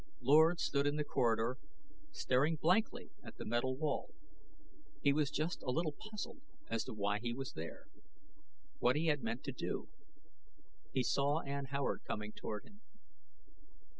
Lord stood in the corridor staring blankly at the metal wall. He was just a little puzzled as to why he was there, what he had meant to do. He saw Ann Howard coming toward him.